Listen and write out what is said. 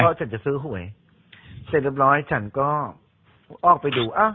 เพราะฉันจะซื้อหวยเสร็จเรียบร้อยฉันก็ออกไปดูอ้าว